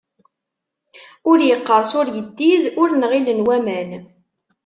Ur iqqeṛṣ uyeddid, ur nɣilen waman.